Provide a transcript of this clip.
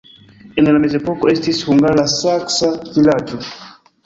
En la mezepoko estis hungara-saksa vilaĝo.